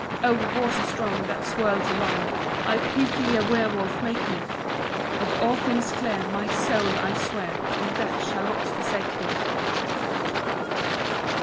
"Oh water strong, that swirls along, I prithee a werwolf make me. Of all things dear, my soul, I swear, In death shall not forsake thee."